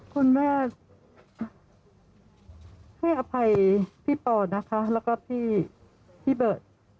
คุณแม่ให้อภัยพี่ปอนะคะแล้วก็พี่เบิร์ต